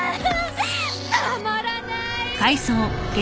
たまらない！